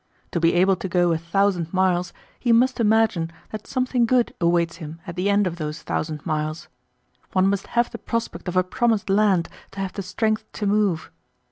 To be able to go a thousand miles he must imagine that something good awaits him at the end of those thousand miles. One must have the prospect of a promised land to have the strength to move.